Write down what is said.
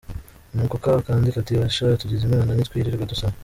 Nuko ka kandi kati basha, tugize Imana ntitwirirwa dusaba!